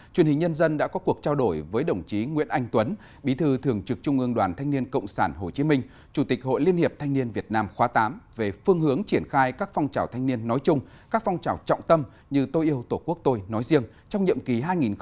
truyền hình nhân dân đã có cuộc trao đổi với đồng chí nguyễn anh tuấn bí thư thường trực trung ương đoàn thanh niên cộng sản hồ chí minh chủ tịch hội liên hiệp thanh niên việt nam khóa tám về phương hướng triển khai các phong trào thanh niên nói chung các phong trào trọng tâm như tôi yêu tổ quốc tôi nói riêng trong nhậm ký hai nghìn một mươi chín hai nghìn hai mươi bốn